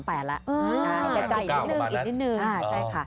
ไปอีกนิดนึง